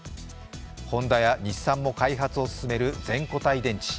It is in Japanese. ホンダや日産も開発を進める全固体電池。